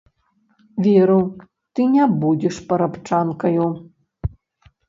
Веру, ты не будзеш парабчанкаю.